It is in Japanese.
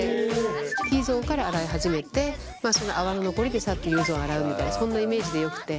Ｔゾーンから洗い始めてその泡の残りでさっとＵゾーンを洗うみたいなそんなイメージでよくて。